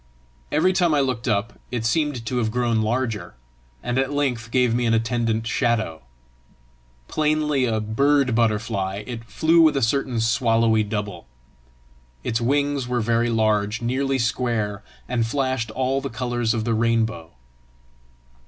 Every time I looked up, it seemed to have grown larger, and at length gave me an attendant shadow. Plainly a bird butterfly, it flew with a certain swallowy double. Its wings were very large, nearly square, and flashed all the colours of the rainbow.